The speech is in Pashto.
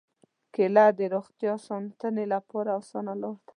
کېله د روغتیا ساتنې لپاره اسانه لاره ده.